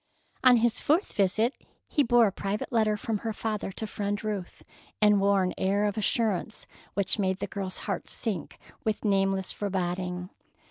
On his fourth visit he bore a private letter from her father to Friend Ruth, and wore an air of assurance which made the girl's heart sink with nameless foreboding.